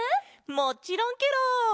もちろんケロ！